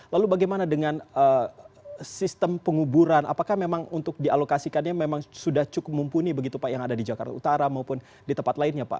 lalu bagaimana dengan sistem penguburan apakah memang untuk dialokasikannya memang sudah cukup mumpuni begitu pak yang ada di jakarta utara maupun di tempat lainnya pak